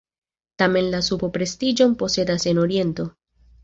Tamen la supo prestiĝon posedas en Oriento.